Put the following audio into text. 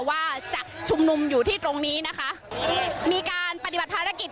ว่าจะชุมนุมอยู่ที่ตรงนี้นะคะมีการปฏิบัติภารกิจ